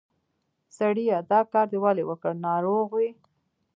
سړیه! دا کار دې ولې وکړ؟ ناروغ وې؟